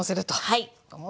はい。